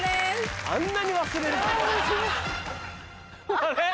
あれ？